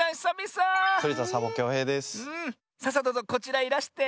さあさあどうぞこちらいらして。